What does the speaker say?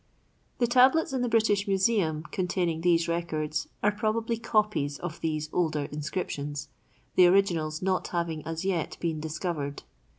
The tablets in the British Museum containing these records are probably copies of these older inscriptions, the originals not having as yet been discovered.